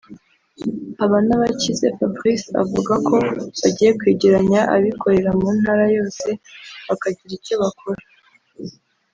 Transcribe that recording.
Habanabakize Fabrice avuga ko bagiye kwegeranya abikorera mu ntara yose bakagira icyo bakora